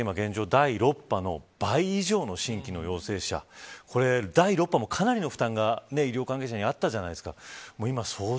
第６波の倍以上の新規の陽性者第６波も、かなりの負担が医療関係者にあったじゃないですか。